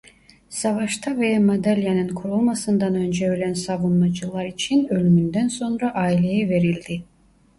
Savaşta veya madalyanın kurulmasından önce ölen savunmacılar için ölümünden sonra aileye verildi.